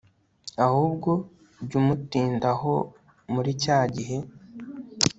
Ahubwo jya umutindaho muri cyagihe